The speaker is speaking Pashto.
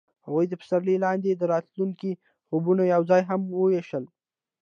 هغوی د پسرلی لاندې د راتلونکي خوبونه یوځای هم وویشل.